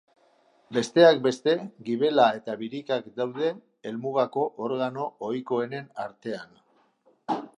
Besteak beste, gibela eta birikak daude helmugako organo ohikoenen artean.